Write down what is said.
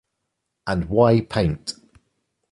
And why paint?